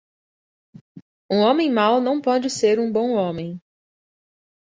Um homem mau não pode ser um bom homem.